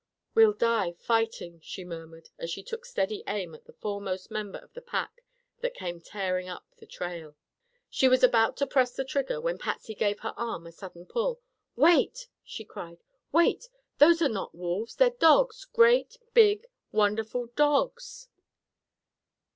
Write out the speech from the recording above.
"We'll die fighting!" she murmured as she took steady aim at the foremost member of the pack that came tearing up the trail. She was about to press the trigger when Patsy gave her arm a sudden pull. "Wait!" she cried. "Wait! Those are not wolves. They're dogs; great big, wonderful dogs!"